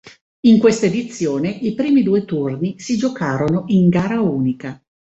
In questa edizione i primi due turni si giocarono in gara unica.